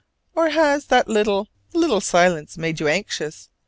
Or has that little, little silence made you anxious?